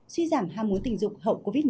suy giảm ham muốn tình dục hậu covid một mươi